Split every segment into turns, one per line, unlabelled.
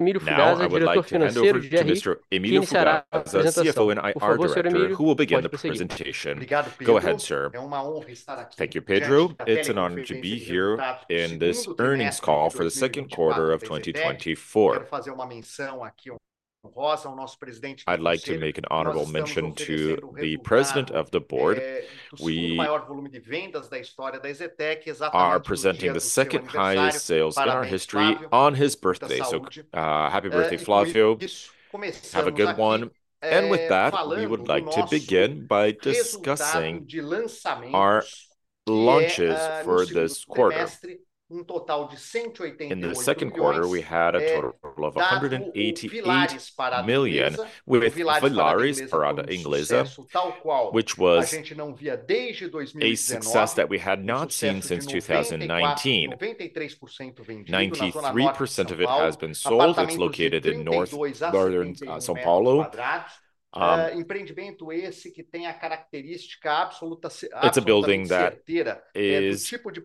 Emilio Fugazza, Diretor Financeiro da EZTEC. Emílio, quem será a apresentação? I'll start with Sir Emilio who will begin the presentation. Go ahead, Sir.
Thank you, Pedro. It's an honor to be here in this earnings call for the second quarter of 2024. I'd like to make an honorable mention to the President of the Board. O maior volume de vendas da história da EZTEC é. are presenting the second highest sales in our history on his birthday. So, happy birthday, Flávio. Have a good one. And with that, we would like to begin by discussing our launches for this quarter. In the second quarter, we had a total of 188 million, with Villares Parada Inglesa, which was a success that we had not seen since 2019. 93% of it has been sold. It's located in North, southern São Paulo. It's a building that is the type of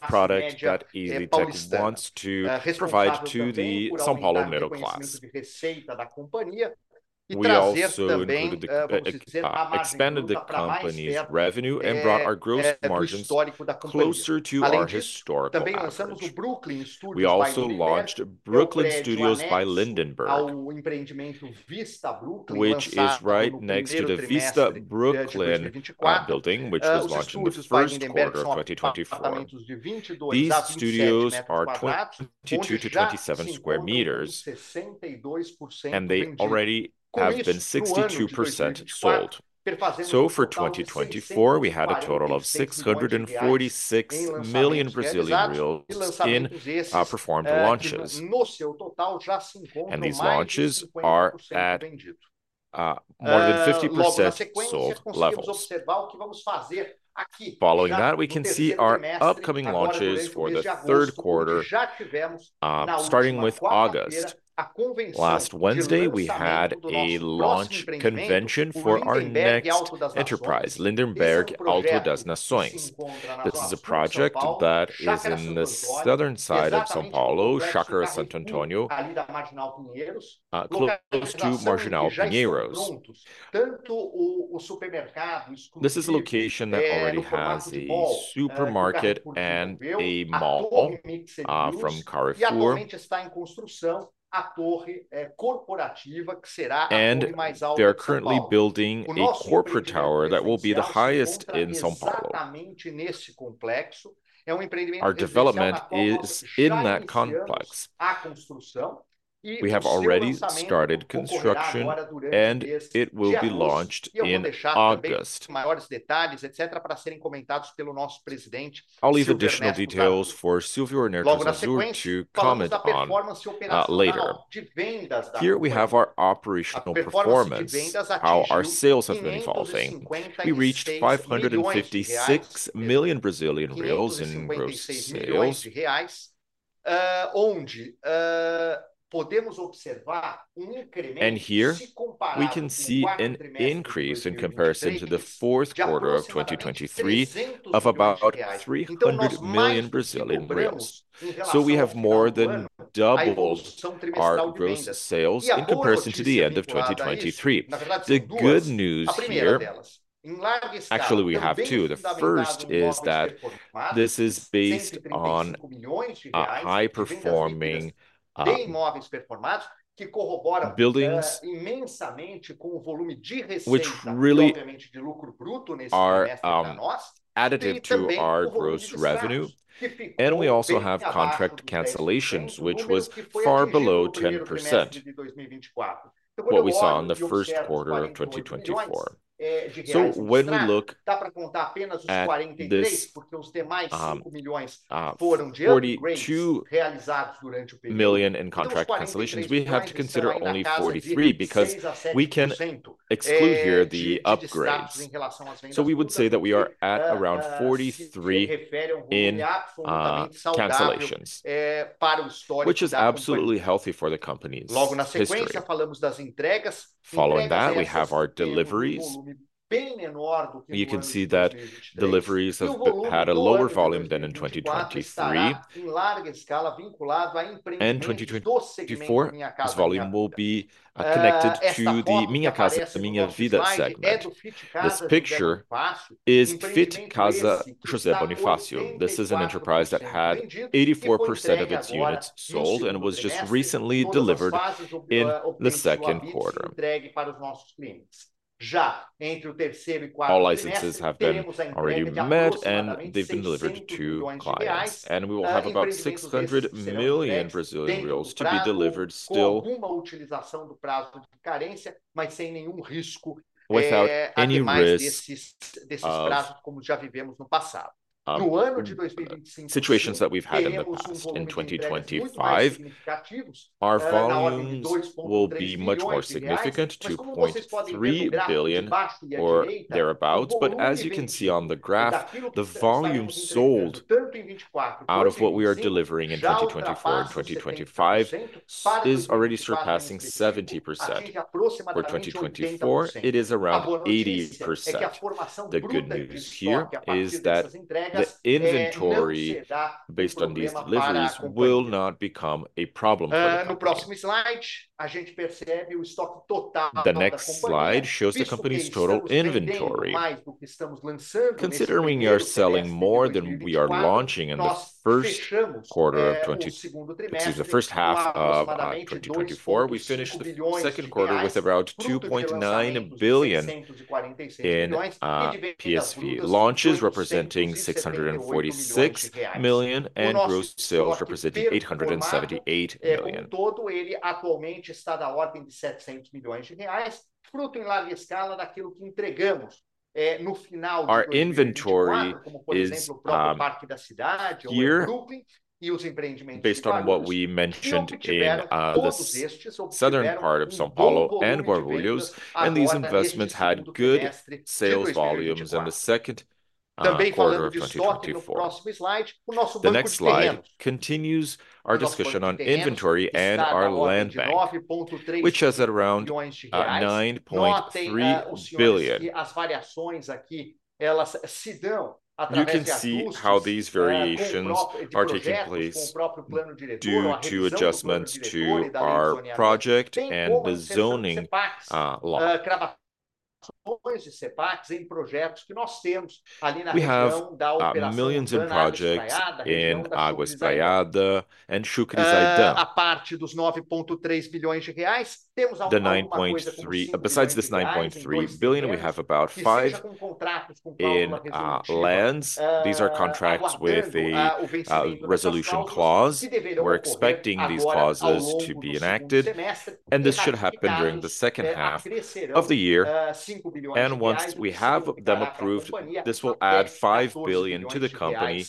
product that EZTEC wants to provide to the São Paulo middle class. We also launched Brooklin Studios by Lindenberg, which is right next to the Vista Brooklin building, which was launched in the first quarter of 2024. These studios are 22-27 square meters, and they already have been 62% sold. So, for 2024, we had a total of 646 million in our performed launches. These launches are at more than 50% sold levels. Following that, we can see our upcoming launches for the third quarter, starting with August. Last Wednesday, we had a launch convention for our next enterprise, Lindenberg Alto das Nações. This is a project that is in the southern side of São Paulo, Chácara Santo Antônio, close to Marginal Pinheiros. This is a location that already has a supermarket and a mall from Carrefour. And they are currently building a corporate tower that will be the highest in São Paulo. Our development is in that complex. We have already started construction, and it will be launched in August. I'll leave additional details for Silvio Ernesto Zarzur to comment on later. Here, we have our operational performance, how our sales have been evolving. We reached 556 million Brazilian reais in gross sales. Here, we can see an increase in comparison to the fourth quarter of 2023 of about 300 million Brazilian reais. So, we have more than doubled our gross sales in comparison to the end of 2023. The good news here, actually, we have two. The first is that this is based on high-performing buildings, which really are additive to our gross revenue. We also have contract cancellations, which was far below 10% of what we saw in the first quarter of 2024. So, when we look at this, 42 million in contract cancellations, we have to consider only 43 because we can exclude here the upgrades. So, we would say that we are at around 43 in cancellations, which is absolutely healthy for the company's history. Following that, we have our deliveries. You can see that deliveries have had a lower volume than in 2023. In 2024, this volume will be connected to the Minha Casa, Minha Vida segment. This picture is Fit Casa José Bonifácio. This is an enterprise that had 84% of its units sold and was just recently delivered in the second quarter. All licenses have been already met, and they've been delivered to clients. We will have about 600 million Brazilian reais to be delivered still. Situations that we've had in the past in 2025, our volume will be much more significant, 2.3 billion or thereabouts. As you can see on the graph, the volume sold out of what we are delivering in 2024 and 2025 is already surpassing 70%. For 2024, it is around 80%. The good news here is that the inventory based on these deliveries will not become a problem for the company. The next slide shows the company's total inventory.
Considering we are selling more than we are launching in the first quarter of 2023, which is the first half of 2024, we finished the second quarter with about 2.9 billion in PSV launches, representing 646 million, and gross sales representing 878 million. Our inventory is based on what we mentioned in the southern part of São Paulo and Guarulhos, and these investments had good sales volumes in the second quarter of 2024. The next slide continues our discussion on inventory and our land bank, which has around 9.3 billion. You can see how these variations are taking place due to adjustments to our project and the zoning law. We have millions in projects in Água Espraiada and Chucri Zaidan. Besides this 9.3 billion, we have about 5 billion in lands. These are contracts with a resolution clause. We're expecting these clauses to be enacted, and this should happen during the second half of the year. And once we have them approved, this will add 5 billion to the company,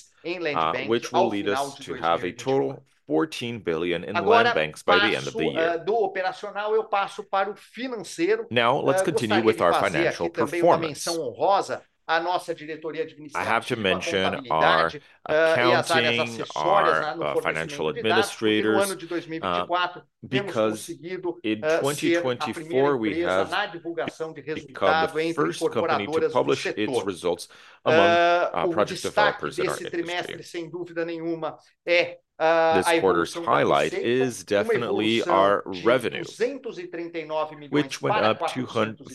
which will lead us to have a total of 14 billion in land banks by the end of the year. Now, let's continue with our financial performance. I have to mention our accounting and our financial administrators because in 2024 we have become the first company to publish its results among projects of that priority. This quarter's highlight is definitely our revenue, which went up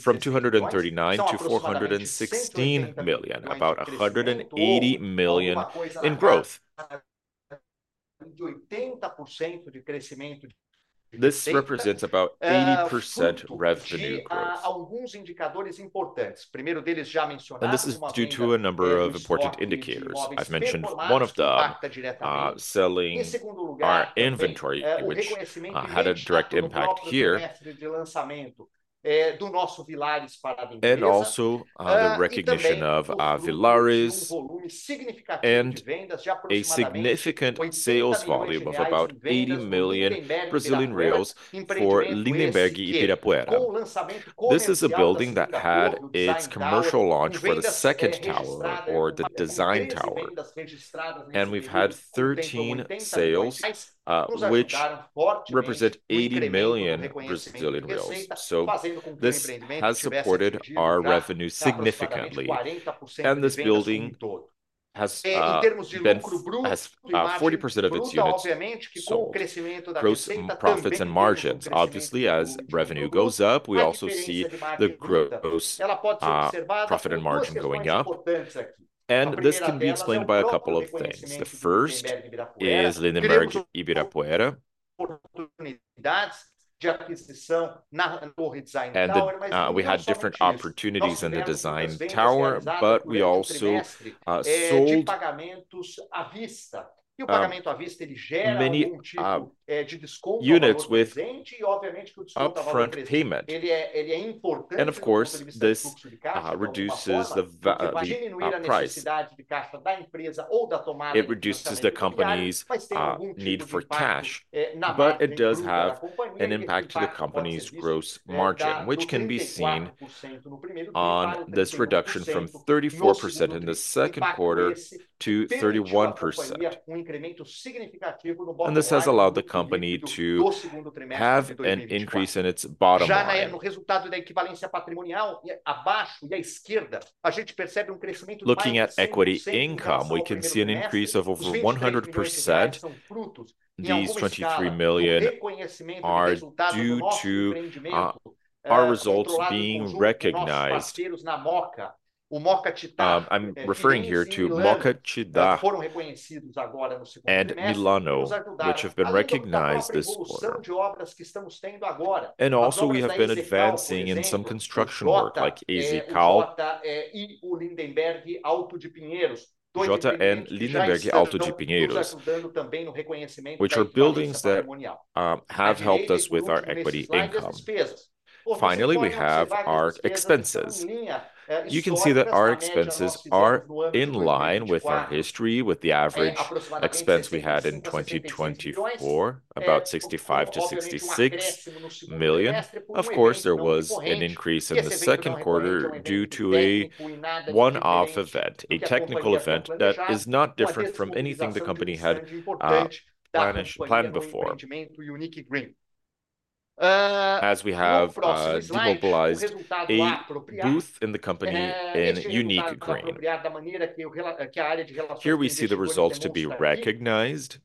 from 239 million to 416 million, about 180 million in growth. This represents about 80% revenue growth. And this is due to a number of important indicators. I've mentioned one of them, selling our inventory, which had a direct impact here, and also the recognition of Villares. A significant sales volume of about 80 million Brazilian reais for Lindenberg Ibirapuera. This is a building that had its commercial launch for the second tower, or the design tower. We've had 13 sales, which represent 80 million Brazilian reais. This has supported our revenue significantly. This building has been 40% of its units sold, grossing profits and margins. Obviously, as revenue goes up, we also see the gross profit and margin going up. This can be explained by a couple of things. The first is Lindenberg Ibirapuera. We had different opportunities in the design tower, but we also sold. Of course, this reduces the price of the company's cash, but it does have an impact to the company's gross margin, which can be seen on this reduction from 34% in the second quarter to 31%. This has allowed the company to have an increase in its bottom line. Looking at equity income, we can see an increase of over 100%, 23 million in our results being recognized. I'm referring here to Mooca Città Milano, which have been recognized this quarter. And also, we have been advancing in some construction work, like EZCALP and Lindenberg Alto de Pinheiros, which are buildings that have helped us with our equity income. Finally, we have our expenses. You can see that our expenses are in line with our history, with the average expense we had in 2024, about 65 million-66 million. Of course, there was an increase in the second quarter due to a one-off event, a technical event that is not different from anything the company had planned before. As we have demobilized a booth in the company in Unique Green. Here, we see the results to be recognized.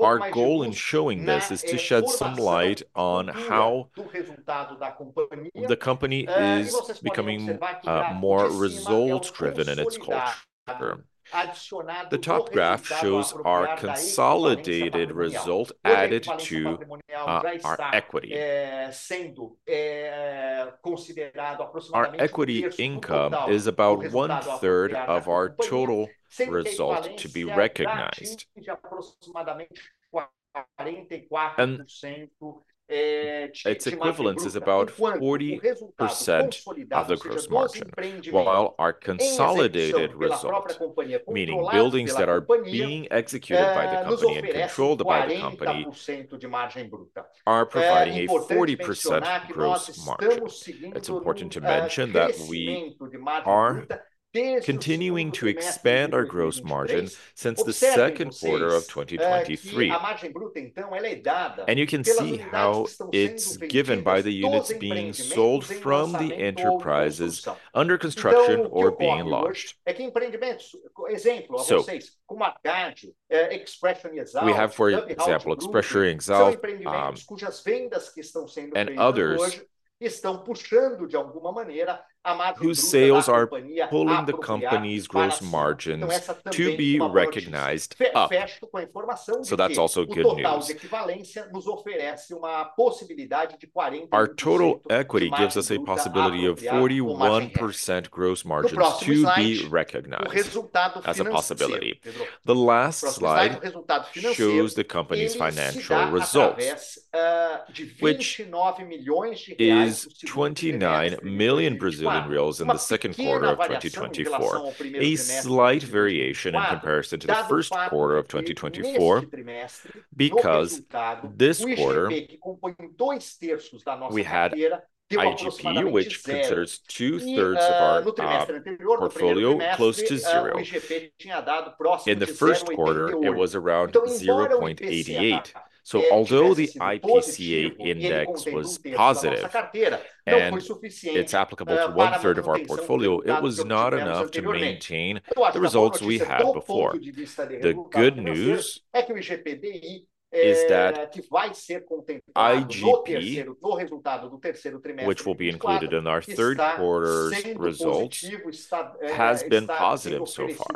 Our goal in showing this is to shed some light on how the company is becoming more results-driven in its culture. The top graph shows our consolidated result added to our equity. Our equity income is about one third of our total result to be recognized. Its equivalence is about 40% of the gross margin, while our consolidated result, meaning buildings that are being executed by the company and controlled by the company, are providing a 40% gross margin. It's important to mention that we are continuing to expand our gross margin since the second quarter of 2023. You can see how it's given by the units being sold from the enterprises under construction or being launched. We have for example, Expression Exalt, and others that are pulling the company's gross margins to be recognized. That's also good news. Our total equity gives us a possibility of 41% gross margins to be recognized as a possibility. The last slide shows the company's financial results, which is 29 million Brazilian reais in the second quarter of 2024, a slight variation in comparison to the first quarter of 2024 because this quarter we had IGP, which considers two-thirds of our portfolio close to zero. In the first quarter, it was around 0.88. So, although the IPCA index was positive and it's applicable to one-third of our portfolio, it was not enough to maintain the results we had before. The good news is that IGP, which will be included in our third quarter's results, has been positive so far.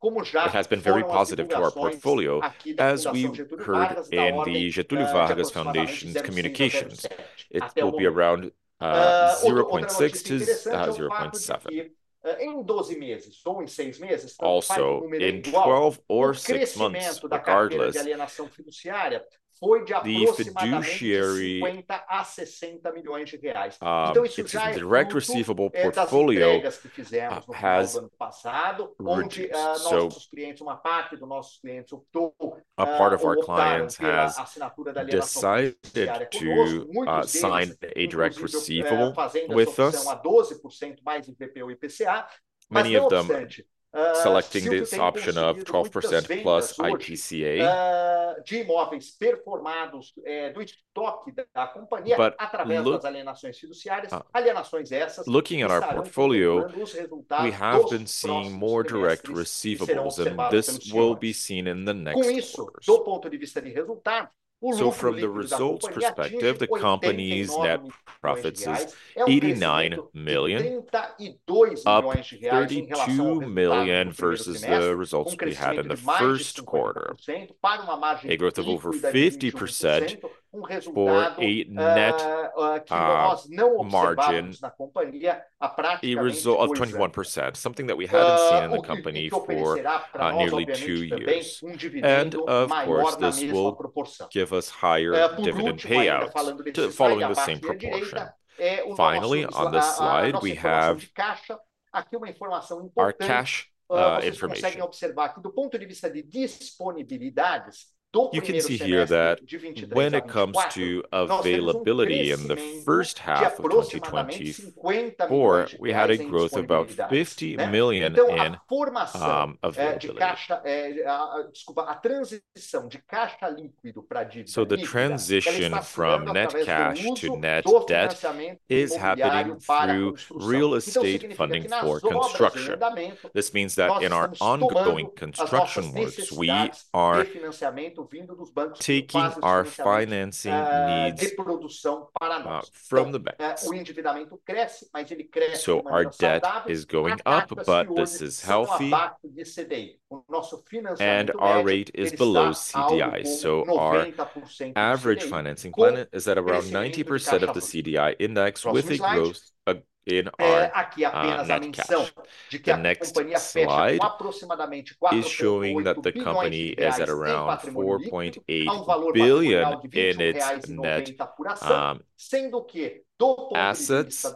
It has been very positive to our portfolio, as we heard in the Fundação Getúlio Vargas's communications. It will be around 0.6 to 0.7. Also, in 12 or 6 months, the fiduciary will be a fiduciary of BRL 60 million. The direct receivable portfolio has been assigned to us. A part of our clients has decided to sign a direct receivable with us, selecting this option of 12% plus IPCA. But looking at our portfolio, we have been seeing more direct receivables, and this will be seen in the next quarter. So, from the results perspective, the company's net profits is 89 million, up 32 million versus the results we had in the first quarter, a growth of over 50% for a net margin of 21%, something that we haven't seen in the company for nearly 2 years. And of course, this will give us higher dividend payouts following the same proportion. Finally, on this slide, we have our cash information. You can see here that when it comes to availability in the first half of 2024, we had a growth of about 50 million in availability. The transition from net cash to net debt is happening through real estate funding for construction. This means that in our ongoing construction work, we are taking our financing needs from the banks. Our debt is going up, but this is healthy. Our rate is below CDI. Our average financing plan is at around 90% of the CDI index, with a growth in our next slide. It's showing that the company is at around BRL 4.8 billion in its net assets.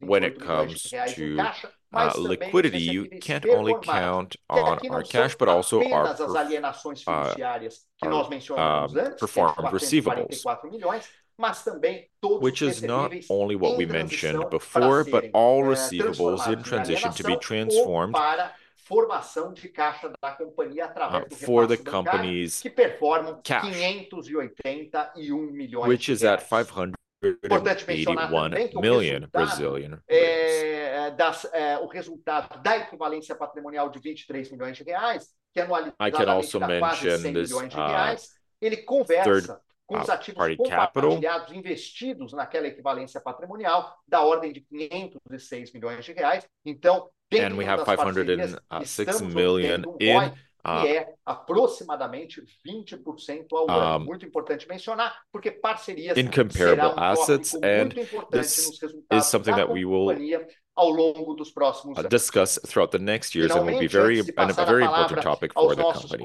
When it comes to liquidity, you can't only count on our cash, but also our performance receivables, which is not only what we mentioned before, but all receivables in transition to be transformed for the companies that perform BRL 581 million, which is at BRL 581 million. And we have BRL 581 million, which is incomparable assets and is something that we will discuss throughout the next years, and will be a very important topic for the company.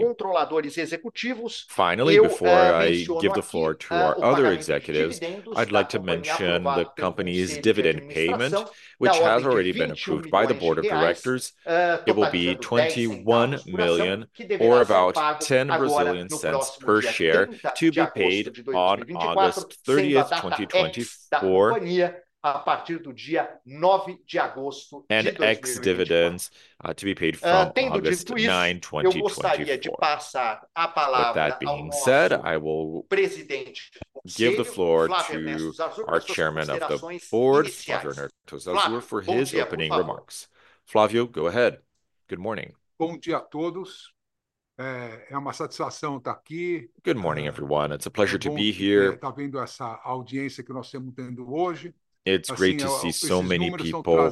Finally, before I give the floor to our other executives, I'd like to mention the company's dividend payment, which has already been approved by the board of directors. It will be 21 million, or about 0.10 per share, to be paid on August 30, 2024, and ex-dividends to be paid from August 9, 2024. With that being said, I will give the floor to our Chairman of the Board, Flávio Ernesto Zarzur, for his opening remarks. Flávio, go ahead. Good morning. It's great to see so many people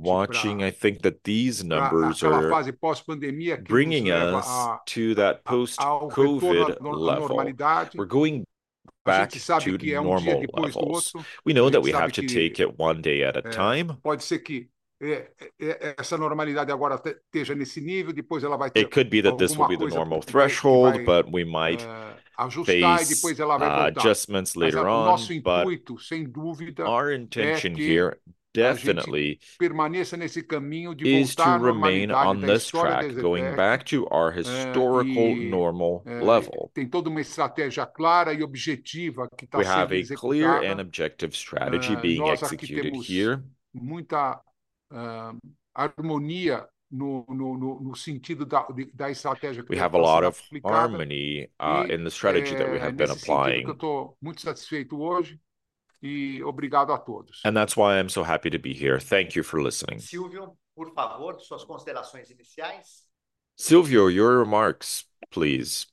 watching. I think that these numbers are bringing us to that post-COVID level. We know that we have to take it one day at a time. It could be that this will be the normal threshold, but we might face adjustments later on. We have a clear and objective strategy being executed here. We have a lot of harmony in the strategy that we have been applying. And that's why I'm so happy to be here. Thank you for listening. Silvio, your remarks, please.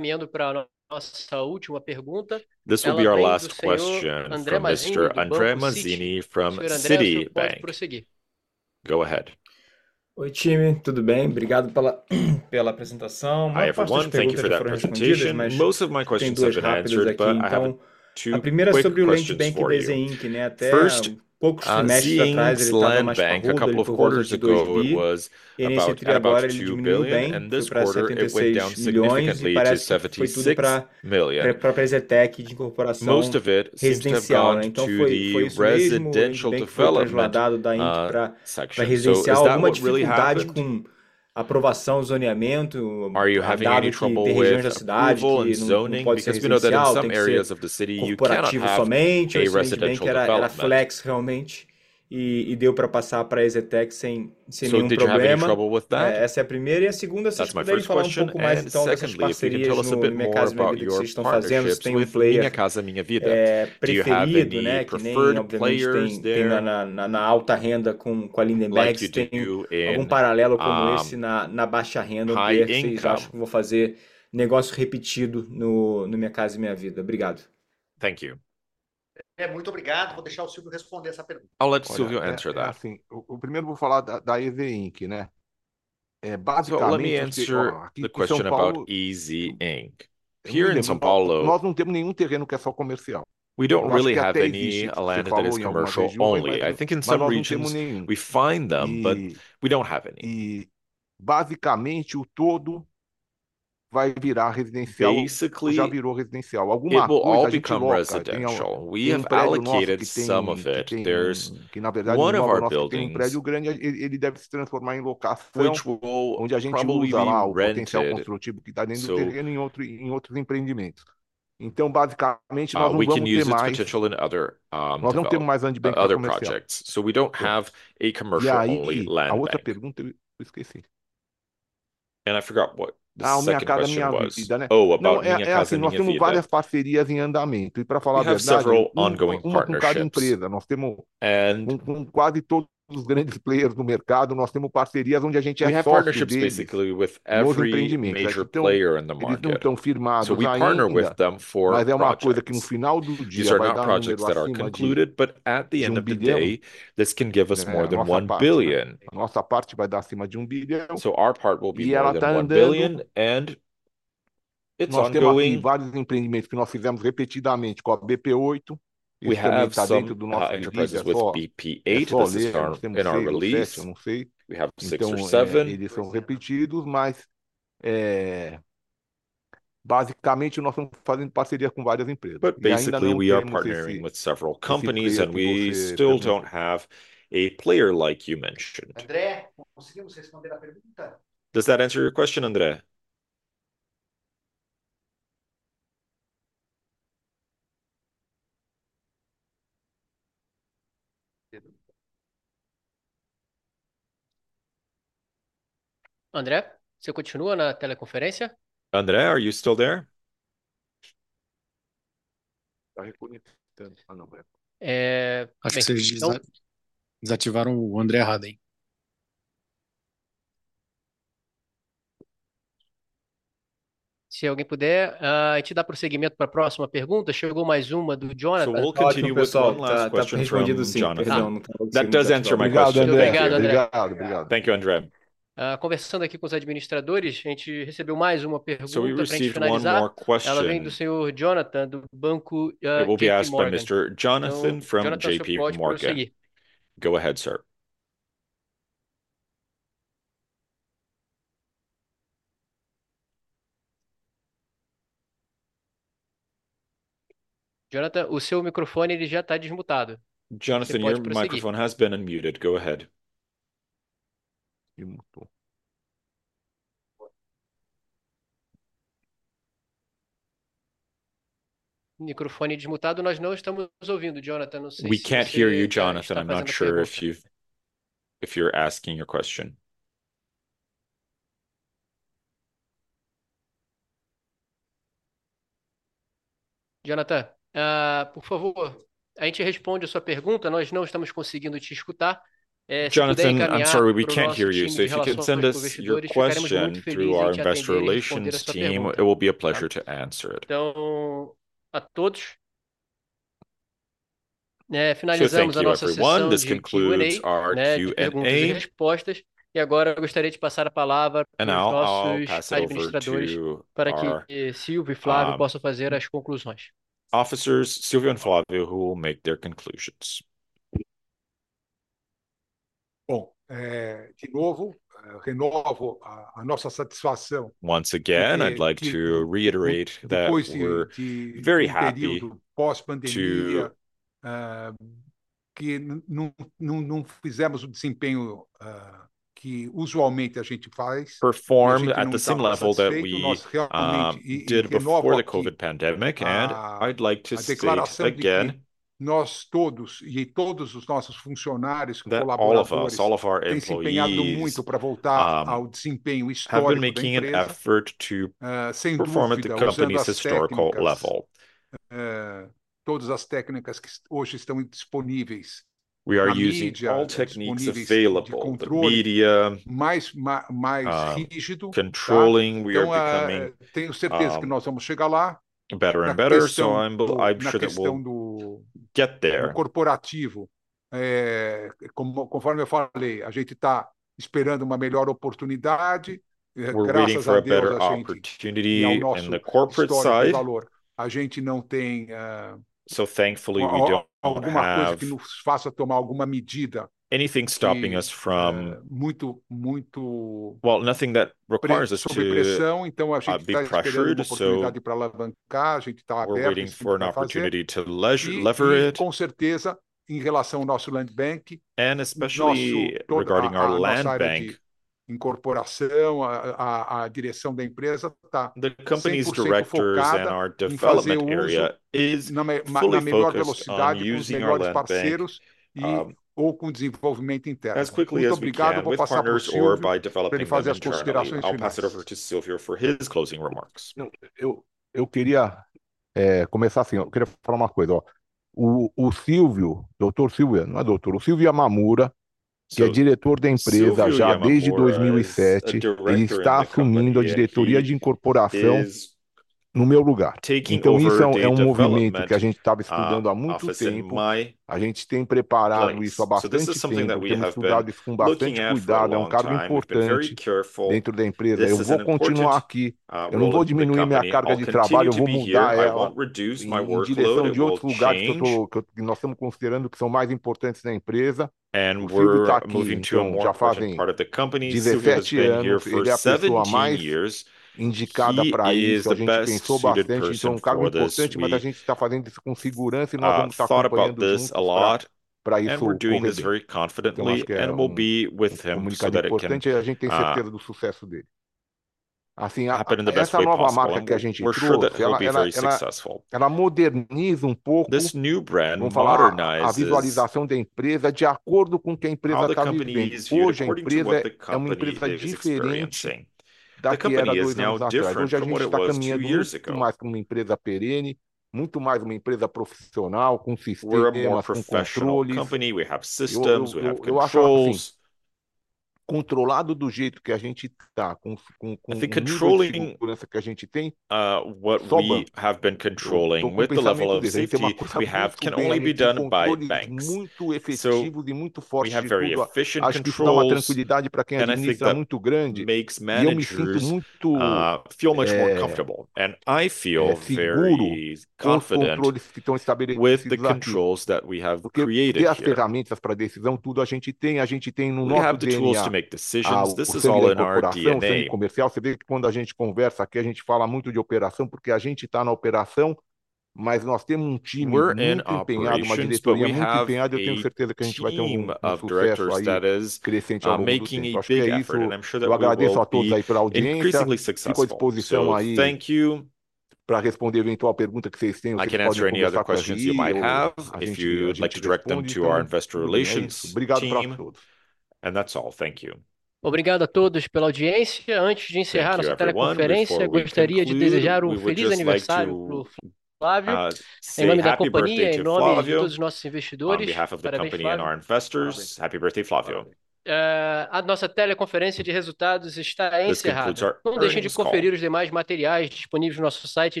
Deixem de conferir os demais materiais disponíveis no nosso site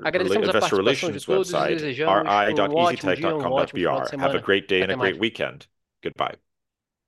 RI.